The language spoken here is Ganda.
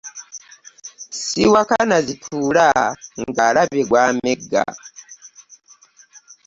Siwakana zituula ng'alabye gw'amegga .